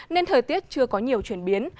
nên thời tiết chưa có nhiều chuyển biến